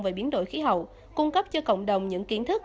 về biến đổi khí hậu cung cấp cho cộng đồng những kiến thức